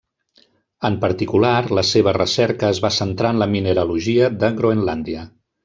En particular, la seva recerca es va centrar en la mineralogia de Groenlàndia.